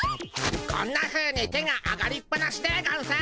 こんなふうに手が上がりっぱなしでゴンス。